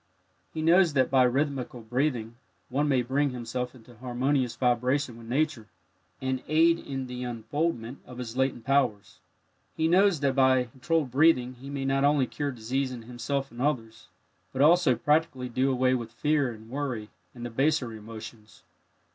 He knows that by rhythmical breathing one may bring himself into harmonious vibration with nature, and aid in the unfoldment of his latent powers. He knows that by controlled breathing he may not only cure disease in himself and others, but also practically do away with fear and worry and the baser emotions.